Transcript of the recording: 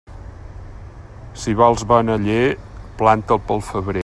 Si vols bon aller, planta'l pel febrer.